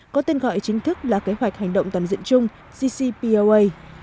có tên gọi chính thức là kế hoạch hành động toàn diện chung ccpoa